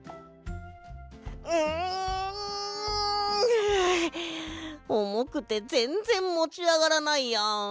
はあおもくてぜんぜんもちあがらないや。